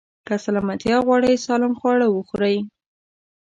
که سلامتيا غواړئ، سالم خواړه وخورئ.